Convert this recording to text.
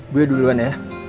gue duluan ya